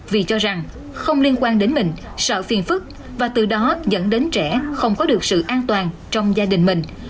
vì cho rằng không liên quan đến mình sợ phiền phức và từ đó dẫn đến trẻ không có được sự an toàn trong gia đình mình